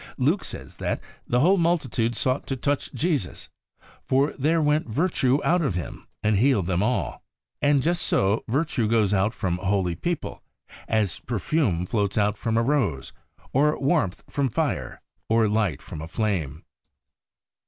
Luke says that ' The whole multitude sought to touch Jesus ; for there went virtue out of Him, and healed them all.' And, just so, virtue goes out from holy people, as 46 THE WAY OF HOLINESS perfume floats out from a rose, or warmth from fire, or light from a flame.